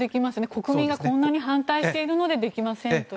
国民がこんなに反対しているのでできませんと。